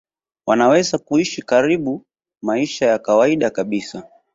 wanaweza kuishi karibu maisha ya kawaida kabisa